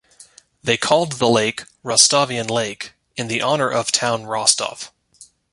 They called the lake "Rostovian Lake" in the honor of town Rostov.